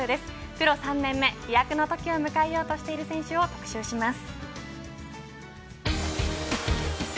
プロ３年目飛躍の瞬間を迎えようとしている選手を紹介します。